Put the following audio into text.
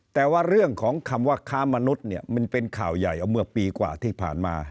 แต่ว่าเรื่องของคำว่าค้ามนุษย์เนี่ยมันเป็นข่าวใหญ่เอาเมื่อปีกว่าที่ผ่านมา